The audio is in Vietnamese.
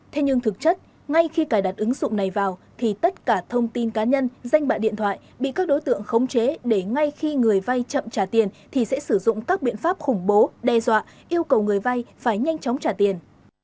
thế nhưng thực chất ngay khi cài đặt ứng dụng này vào thì tất cả thông tin cá nhân danh bạ điện thoại bị các đối tượng khống chế để ngay khi người vay chậm trả tiền thì sẽ sử dụng các biện pháp khủng bố đe dọa yêu cầu người vay phải nhanh chóng trả tiền